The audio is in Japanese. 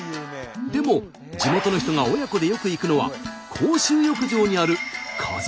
でも地元の人が親子でよく行くのは公衆浴場にある家族風呂らしい。